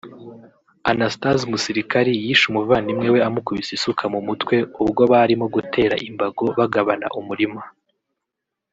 Anastase Musirikari yishe umuvandimwe we amukubise isuka mu mutwe ubwo barimo gutera imbago bagabana umurima